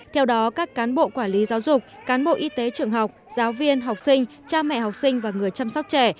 theo đó các cán bộ quản lý giáo dục cán bộ y tế trường học giáo viên học sinh cha mẹ học sinh và người chăm sóc trẻ